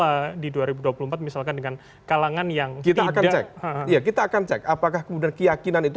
amid matahari hal hal itu bisa untuk memuji dan dihormati dan ipun